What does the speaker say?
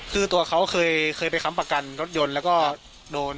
คือตัวเขาเคยไปค้ำประกันรถยนต์แล้วก็โดน